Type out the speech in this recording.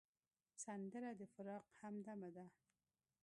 سندره د فراق همدمه ده